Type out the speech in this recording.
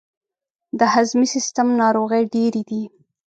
د هضمي سیستم ناروغۍ ډیرې دي.